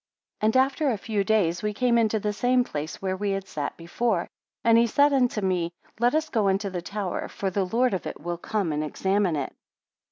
47 And after a few days we came into the same place where we had sat before; and he said unto me, Let us go unto the tower; for the Lord of it will come and examine it.